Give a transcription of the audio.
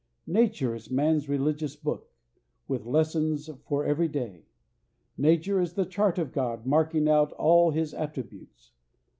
Nature is man's religious book, with lessons for every day. Nature is the chart of God, marking out all his attributes.